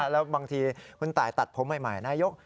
แล้วบางทีคุณตายตัดผมใหม่นายก